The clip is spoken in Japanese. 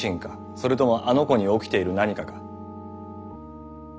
それともあの子に起きている何かか？